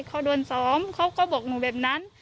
เขาโดนซ้อมเขาก็บอกหนูแบบนั้น